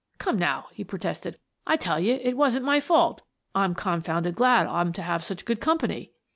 " Come, now," he protested, " I tell you it wasn't my fault I'm confounded glad I'm to have such good company."